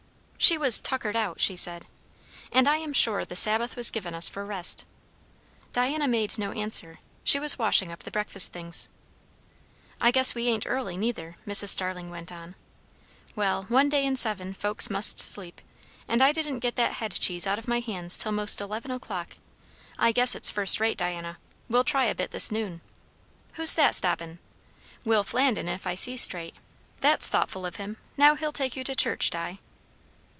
She was "tuckered out," she said. "And I am sure the Sabbath was given us for rest." Diana made no answer; she was washing up the breakfast things. "I guess we ain't early, neither," Mrs. Starling went on. "Well one day in seven, folks must sleep; and I didn't get that headcheese out of my hands till 'most eleven o'clock. I guess it's first rate, Diana; we'll try a bit this noon. Who's that stoppin'? Will Flandin, if I see straight; that's thoughtful of him; now he'll take you to church, Di."